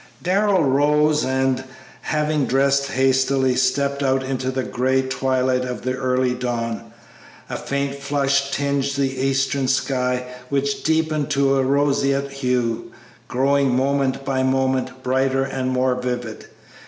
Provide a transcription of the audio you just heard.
Darrell rose and, having dressed hastily, stepped out into the gray twilight of the early dawn. A faint flush tinged the eastern sky, which deepened to a roseate hue, growing moment by moment brighter and more vivid.